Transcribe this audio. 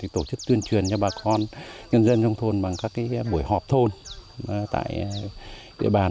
tổ chức tuyên truyền cho bà con nhân dân trong thôn bằng các buổi họp thôn tại địa bàn